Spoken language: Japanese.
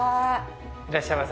いらっしゃいませ。